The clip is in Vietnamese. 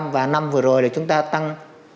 và năm vừa rồi là chúng ta tăng bảy tám